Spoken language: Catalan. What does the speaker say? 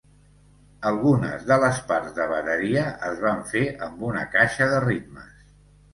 Algunes de les parts de bateria es van fer amb una caixa de ritmes.